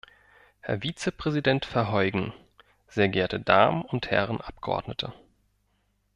Herr Vizepräsident Verheugen, sehr geehrte Damen und Herren Abgeordnete!